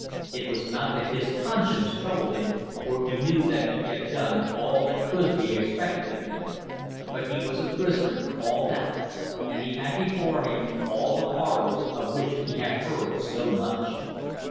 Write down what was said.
It was not that his conscience troubled him, for he knew that he had done all that could be expected of him. But he was a prisoner for all that, and he had before him all the horrors of which he had heard so much.